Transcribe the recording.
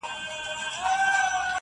جواب را كړې.